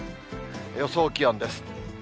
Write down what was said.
予想気温です。